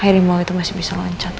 harimau itu masih bisa loncat